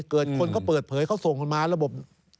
คนเขาเปิดเผยเขาส่งกันมาระบบ